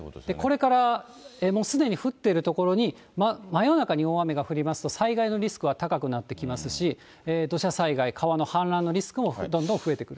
これから、もうすでに降っている所に、真夜中に大雨が降りますと災害のリスクは高くなってきますし、土砂災害、川の氾濫のリスクもどんどん増えてくる。